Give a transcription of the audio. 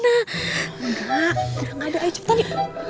enggak enggak ada aja tadi